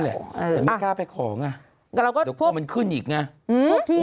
แต่ไม่กล้าไปของอ่ะเดี๋ยวพวกมันขึ้นอีกไง